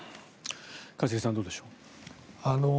一茂さん、どうでしょう。